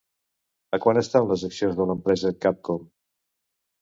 A quant estan les accions de l'empresa Capcom?